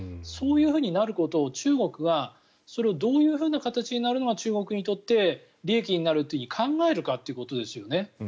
そうなることを中国がそれがどういう形になることが中国にとって利益になると考えるかということですよね。